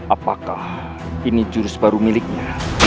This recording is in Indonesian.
apakah ini jurus baru miliknya